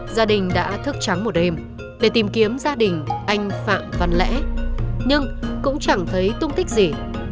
gia đình đã thức trắng một đêm để tìm kiếm gia đình anh phạm văn lẽ nhưng cũng chẳng thấy tung tích gì